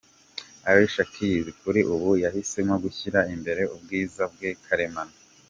Alicia Keys kuri ubu yahisemo gushyira imbere ubwiza bwe karemano.